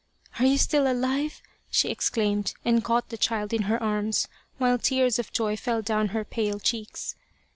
" Are you still alive ?" she exclaimed, and caught the child in her arms while tears of joy fell down her pale cheeks.